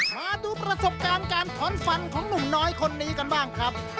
มาดูประสบการณ์การถอนฟันของหนุ่มน้อยคนนี้กันบ้างครับ